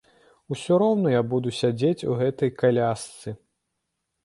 Усё роўна я буду сядзець у гэтай калясцы.